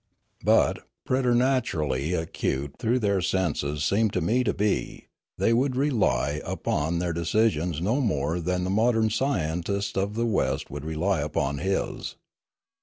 * But, preternaturally acute though their senses seemed to me to be, they would rely upon their de cisions no more than the modern scientist of the West would rely upon his.